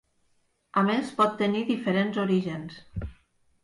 A més pot tenir diferents orígens.